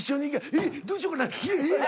「えっどうしようかな⁉えっえっ⁉」。